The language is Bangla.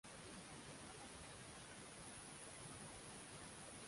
এটি একটি 'ক' শ্রেণীর পৌরসভা।